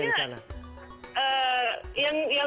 menu nya yang lebih banyak sih itu